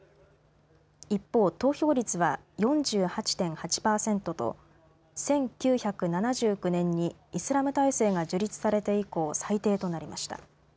一方、投票率は４８．８％と１９７９年にイスラム体制が樹立されて以降最低となりました。